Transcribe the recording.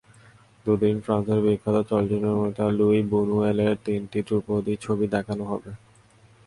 দুদিনে ফ্রান্সের বিখ্যাত চলচ্চিত্র নির্মাতা লুই বুনুয়েলের তিনটি ধ্রুপদি ছবি দেখানো হবে।